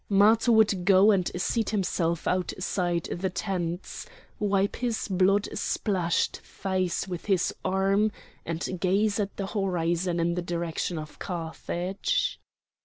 Matho would go and seat himself outside the tents, wipe his blood splashed face with his arm, and gaze at the horizon in the direction of Carthage.